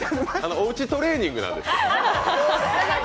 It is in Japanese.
おうちトレーニングなんですよ。